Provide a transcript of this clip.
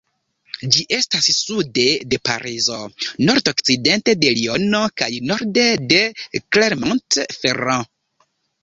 Ĝi estas sude de Parizo, nordokcidente de Liono kaj norde de Clermont-Ferrand.